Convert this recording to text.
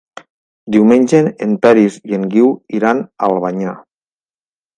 Diumenge en Peris i en Guiu iran a Albanyà.